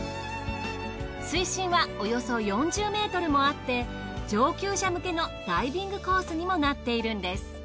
水深はおよそ４０ｍもあって上級者向けのダイビングコースにもなっているんです。